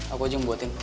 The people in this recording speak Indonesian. aku aja yang buatin